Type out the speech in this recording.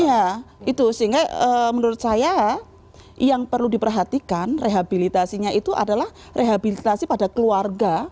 iya itu sehingga menurut saya yang perlu diperhatikan rehabilitasinya itu adalah rehabilitasi pada keluarga